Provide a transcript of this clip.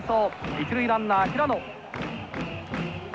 一塁ランナー平野。